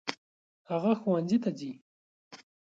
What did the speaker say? هغه ښوونځي ته ځي.